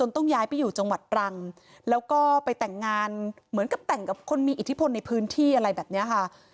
ต้องย้ายไปอยู่จังหวัดตรังแล้วก็ไปแต่งงานเหมือนกับแต่งกับคนมีอิทธิพลในพื้นที่อะไรแบบนี้ค่ะ